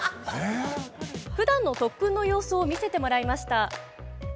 ふだんの特訓の様子を見せてもらいました。